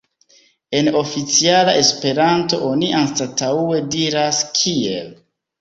En oficiala Esperanto oni anstataŭe diras "kiel".